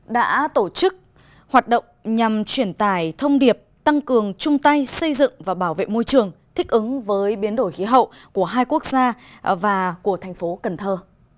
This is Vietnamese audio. đã tổ chức hoạt động nhằm truyền tải thông điệp tăng cường chung tay xây dựng và bảo vệ môi trường thích ứng với biến đổi khí hậu của hai quốc gia và của thành phố cần thơ